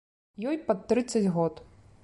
Ёй пад трыццаць год.